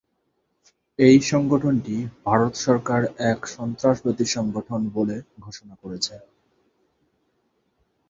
এই সংগঠনটি ভারত সরকার এক সন্ত্রাসবাদী সংগঠন বলে ঘোষণা করেছে।